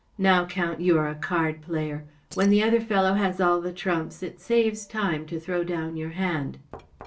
Now, Count, you are a card player. When the other fellow has all the trumps, it saves time to throw down your hand.